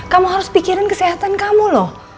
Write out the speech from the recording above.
kamu harus pikirin kesehatan kamu loh